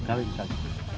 jadi kami sanggup